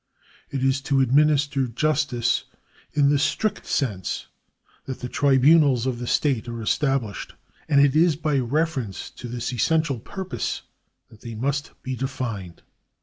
It is to administer justice in the strict sense that the tribunals of the state are estabhshed, and it is by reference to this essential purpose that they must be defined.